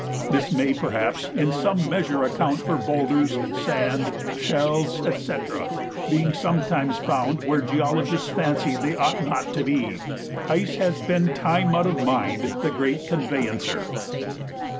This may perhaps in some measure account for boulders, sand, shells, &c. being sometimes found where geologists fancy they ought not to be. Ice has been time out of mind the great "conveyancer."